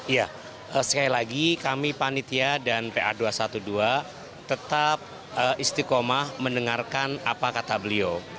ya sekali lagi kami panitia dan pa dua ratus dua belas tetap istiqomah mendengarkan apa kata beliau